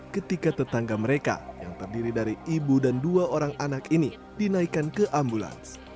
ketika tetangga mereka yang terdiri dari ibu dan dua orang anak ini dinaikkan ke ambulans